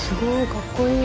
かっこいい。